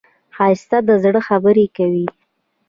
ښایست د زړه خبرې کوي